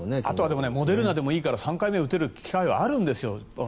あとはモデルナでもいいから３回目を打てる機会もあるんですよ。